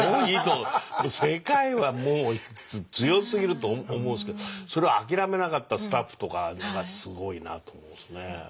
世界はもう強すぎると思うんですけどそれを諦めなかったスタッフとかがすごいなと思うんですね。